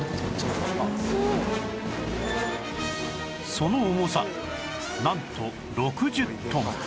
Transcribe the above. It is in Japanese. その重さなんと６０トン